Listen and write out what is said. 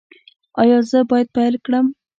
ایا زه باید پیل کړم؟